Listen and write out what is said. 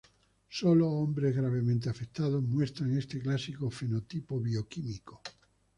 Sólo hombres gravemente afectados muestran este clásico fenotipo bioquímico.